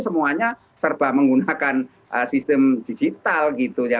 semuanya serba menggunakan sistem digital gitu ya